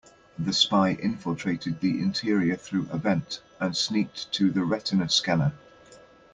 The spy infiltrated the interior through a vent and sneaked to the retina scanner.